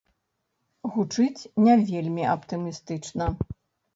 Гучыць не вельмі аптымістычна.